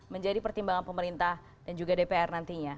menjadi pertimbangan pemerintah dan juga dpr nantinya